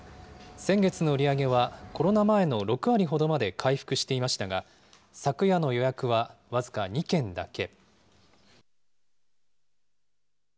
先月の売り上げは、コロナ前の６割ほどまで回復していましたが、昨夜の予約は僅か２件だけ。